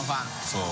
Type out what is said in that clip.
そう。